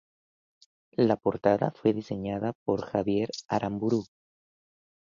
La portada fue diseñada por Javier Aramburu.